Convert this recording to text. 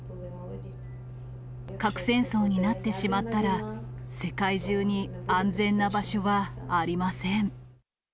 核戦争になってしまったら、世界中に安全な場所はありません。